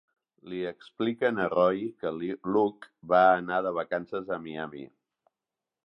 Li expliquen a Roy que Luke va anar de vacances a Miami.